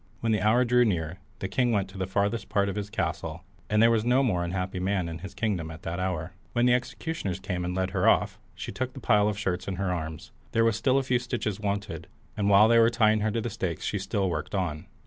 When the hour drew near, the king went to the farthest part of his palace, and there was no more unhappy man in his kingdom at that hour. When the executioners came and led her off, she took the pile of shirts in her arms. There was still a few stitches wanted, and while they were tying her to the stakes she still worked on.